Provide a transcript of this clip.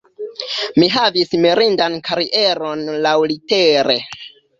Mi havis mirindan karieron laŭlitere.